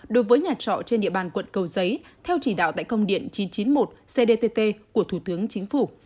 đối với nhà trọ trên địa bàn quận cầu giấy theo chỉ đạo tại công điện chín trăm chín mươi một cdtt của thủ tướng chính phủ